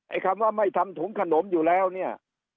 คำว่าไม่ทำถุงขนมอยู่แล้วเนี่ย